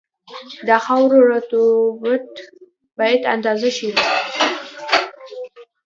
د خاورې رطوبت باید اندازه شي